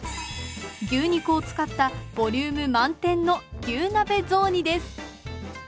牛肉を使ったボリューム満点の牛鍋雑煮です。